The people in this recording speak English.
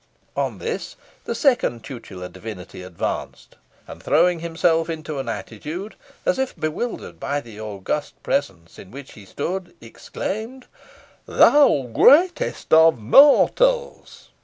On this the second tutelar divinity advanced, and throwing himself into an attitude, as if bewildered by the august presence in which he stood, exclaimed "Thou greatest of mortals!"